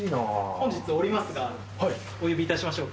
本日おりますがお呼びいたしましょうか？